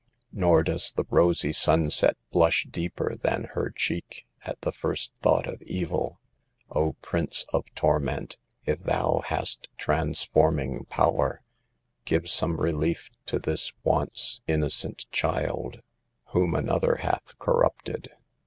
Nor does the rosy sunset blush deeper than her cheek, at the first thought of evil. O Prince of torment ! if thou hast transform ing power, give some relief to this once innocent 46 SAVE THE GIELS. child, whom another hath corrupted